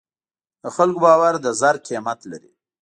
د خلکو باور د زر قیمت لري.